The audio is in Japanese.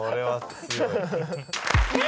すごい！